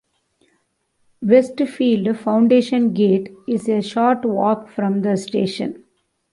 Westfield Fountain Gate is a short walk from the station.